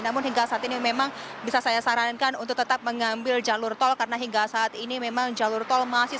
namun hingga saat ini memang bisa saya sarankan untuk tetap mengambil jalur tol karena hingga saat ini memang jalur tol masih